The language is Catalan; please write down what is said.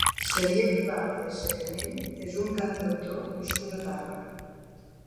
Xavier Ribalta i Secanell és un cantautor nascut a Tàrrega.